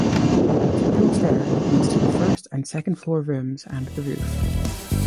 A spiral stair leads to the first and second floor rooms and the roof.